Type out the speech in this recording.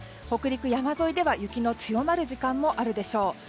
北陸の山沿いでは雪の強まる時間もあるでしょう。